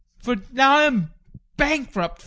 For now I am bankrupt!